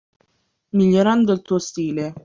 Migliorando il tuo stile